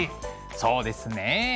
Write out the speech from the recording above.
そうですね。